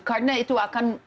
karena itu akan